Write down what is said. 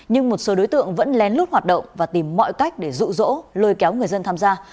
nhưng một số đối tượng vẫn lén lút hoạt động và tìm mọi cách để rụ rỗ lôi kéo người dân tham gia